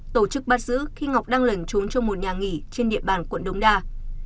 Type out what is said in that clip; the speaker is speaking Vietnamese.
tổ chức bắt giữ khi ngọc đang lẩn trốn trong một nhà nghỉ trên địa bàn quận đống đa